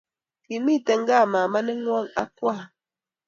Kamiten gaa mamaengwong ak kwaan?